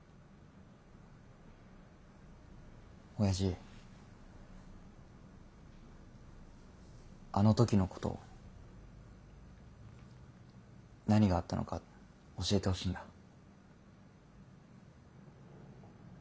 親父あの時のこと何があったのか教えてほしいんだ。